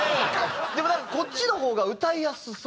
でもなんかこっちの方が歌いやすそう。